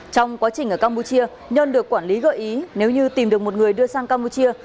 trong quá trình ở campuchia nhân được quản lý gợi ý nếu như tìm được một người đưa sang campuchia